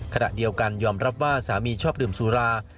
ขณะเดียวกันยอมรับว่าสามีชอบดื่มสุรา